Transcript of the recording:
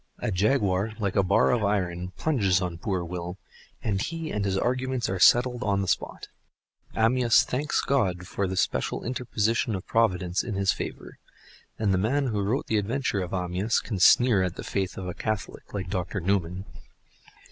A jaguar like a bar of iron plunges on poor Will, and he and his arguments are settled on the spot. Amyas thanks God for this special interposition of providence in his favor. And the man who wrote the adventure of Amyas can sneer at the faith of a Catholic like Dr. Newman!